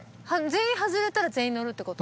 全員外れたら全員乗るってこと？